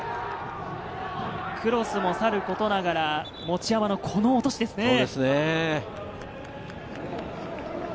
クロスもさることながら、持山のこの落としですね。